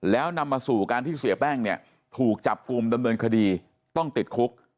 แล้วนำมาสู่การที่เสียแป้งเนี่ยถูกจับกลุ่มดำเนินคดีต้องติดคุก